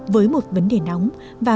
với một vấn đề nóng và